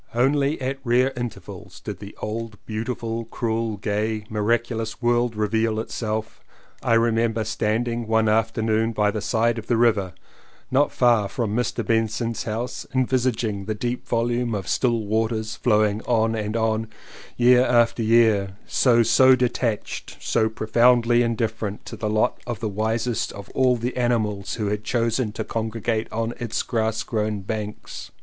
Only at rare intervals did the old beauti ful, cruel, gay, miraculous world reveal itself. I remember standing one afternoon by the side of the river not far from Mr. Benson's house envisaging the deep volume 190 LLEWELLYN POWYS of Still waters flowing on and on year after year so, so detached, so profoundly indif ferent to the lot of the wisest of all the animals who had chosen to congregate on its grass grown banks.